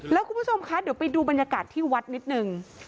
แล้วคุณผู้ชมคะเดี๋ยวไปดูบรรยากาศที่วัดนิดนึง